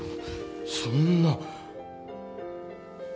そんな。